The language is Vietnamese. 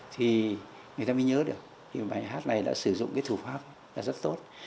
thì người ta mới nhớ được thì bài hát này đã sử dụng cái thủ pháp là rất tốt